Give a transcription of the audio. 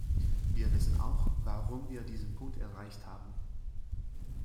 Wir wissen auch, warum wir diesen Punkt erreicht haben.